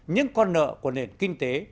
những con nợ của nền kinh tế